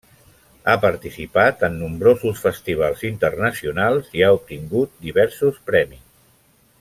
Ha participat en nombrosos festivals internacionals i ha obtingut diversos premis.